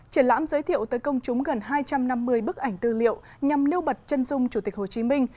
triển lãm giới thiệu tới công chúng gần hai trăm năm mươi bức ảnh tư liệu nhằm nêu bật chân dung chủ tịch hồ chí minh